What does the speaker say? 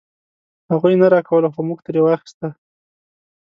هغوی نه راکوله خو مونږ ترې واخيسته.